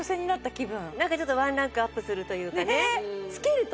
なんかちょっとワンランクアップするというかね。